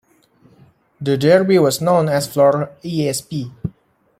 The derby was known as Flor-Esp.